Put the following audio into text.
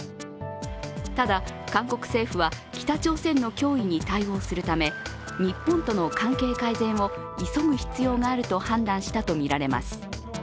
ただ、韓国政府は北朝鮮の脅威に対応するため日本との関係改善を急ぐ必要があると判断したとみられます。